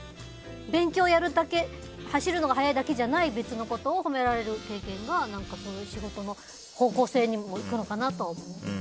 勉強やるだけ走るのが速いだけじゃない別のことを褒められる経験がそういう仕事の方向性にも行くのかなとは思います。